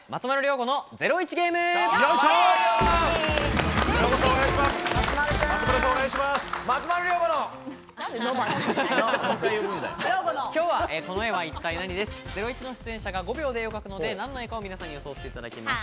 『ゼロイチ』の出演者が５秒で絵を描くので、何の絵か予想していただきます。